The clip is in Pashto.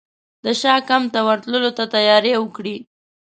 د شاه کمپ ته ورتللو ته تیاري وکړي.